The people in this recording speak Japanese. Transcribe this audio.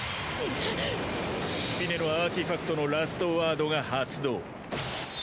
スピネのアーティファクトのラストワードが発動。